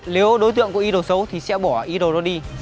nếu đối tượng có ý đồ xấu thì sẽ bỏ ý đồ nó đi